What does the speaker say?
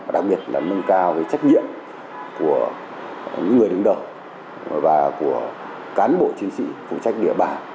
đặc biệt là nâng cao trách nhiệm của những người đứng đầu và của cán bộ chiến sĩ phụ trách địa bàn